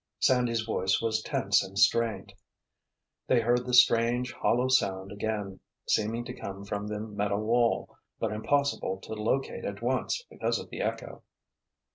Sandy's voice was tense and strained. They heard the strange, hollow sound again, seeming to come from the metal wall, but impossible to locate at once because of the echo.